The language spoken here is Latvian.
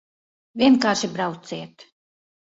Vienkārši brauciet!